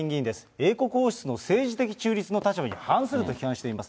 英国王立の中立的立場に反すると批判しています。